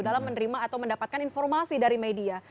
dalam menerima atau mendapatkan informasi dari media